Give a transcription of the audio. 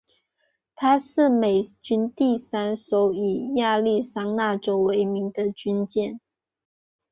她是美军第三艘以亚利桑那州为名的军舰。